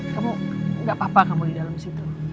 kamu gak apa apa kamu di dalam situ